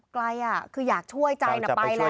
ใครอ่ะคืออยากช่วยใจนะไปแล้ว